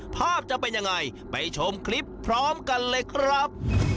ภาพจะเป็นยังไงไปชมคลิปพร้อมกันเลยครับ